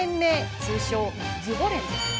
通称、ズボ連です。